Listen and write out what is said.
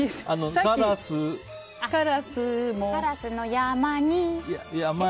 カラスの山に？